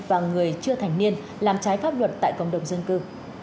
và người chưa thành niên làm trái pháp luật tại cộng đồng dân cư